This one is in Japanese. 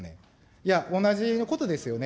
いや、同じことですよね。